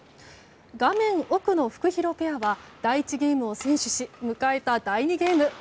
画面奥のフクヒロペアは第１ゲームを先取し迎えた第２ゲーム。